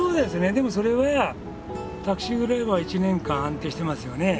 でもそれはタクシードライバー１年間安定してますよね。